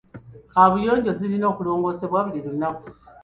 Kaabuyonjo zirina okulongoosebwa buli lunaku.